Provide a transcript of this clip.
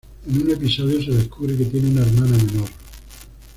En un episodio se descubre que tiene una hermana menor.